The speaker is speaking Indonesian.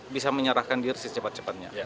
bisa menyerahkan diri secepat cepatnya